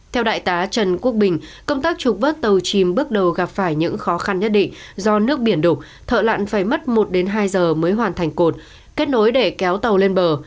theo đại tá trần quốc bình công tác trục vớt tàu chìm bước đầu gặp phải những khó khăn nhất định do nước biển đổ thợ lặn phải mất một đến hai giờ mới hoàn thành cột kết nối để kéo tàu lên bờ